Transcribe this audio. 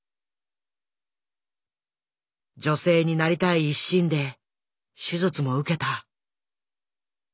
女性になりたい一心で手術も受けた。